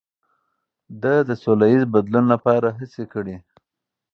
ده د سولهییز بدلون لپاره هڅې کړي.